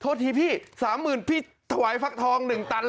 โทษทีพี่๓๐๐๐พี่ถวายฟักทอง๑ตัน